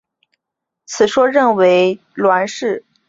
此说认为栾氏乃炎帝的后代。